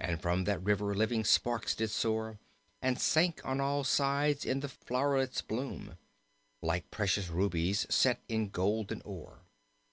And from that river living sparks did soar, And sank on all sides in the flow'rets' bloom, Like precious rubies set in golden ore.